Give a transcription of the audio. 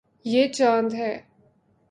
یے چاند ہے